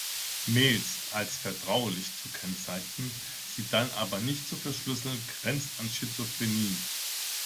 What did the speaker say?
Mails als vertraulich zu kennzeichnen, sie dann aber nicht zu verschlüsseln, grenzt an Schizophrenie.